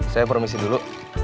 saya permisi dulu